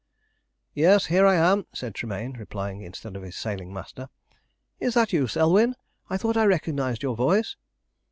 "Yes, here I am," said Tremayne, replying instead of his sailing master. "Is that you, Selwyn? I thought I recognised your voice."